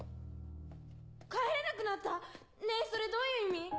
帰れなくなった⁉ねぇそれどういう意味？